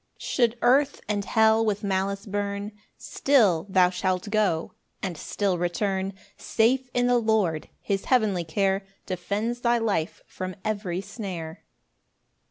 6 Should earth and hell with malice burn, Still thou shalt go and still return Safe in the Lord his heavenly care Defends thy life from every snare.